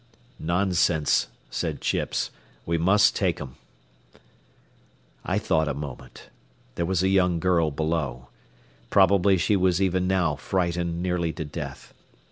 "Nonsense," said Chips. "We must take 'em." I thought a moment. There was a young girl below. Probably she was even now frightened nearly to death.